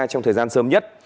trong thời gian sớm nhất